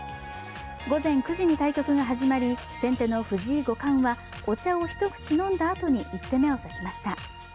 午前９時に対局が始まり先手の藤井五冠はお茶を一口飲んだあとに１手目を指しました。